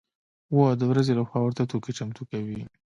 و د ورځې له خوا ورته توکي چمتو کوي.